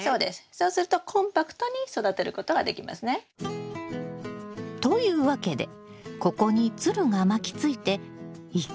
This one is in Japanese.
そうするとコンパクトに育てることができますね。というわけでここにつるが巻きついて１か月後には実ができるはずよ。